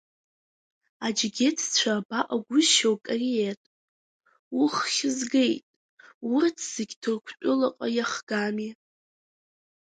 Аџьыгьеҭцәа абаҟагәышьоу, кориет, уххь згеит, урҭ зегь Ҭырқәтәылаҟа иахгами!